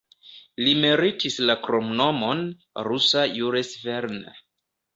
Li meritis la kromnomon "Rusa Jules Verne".